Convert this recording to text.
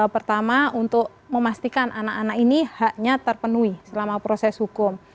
pertama untuk memastikan anak anak ini haknya terpenuhi selama proses hukum